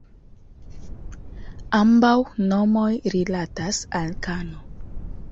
Ambaŭ nomoj rilatas al "kano".